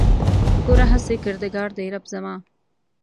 ګوره هسې کردګار دی رب زما